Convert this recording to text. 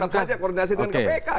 tetap saja koordinasi dengan kpk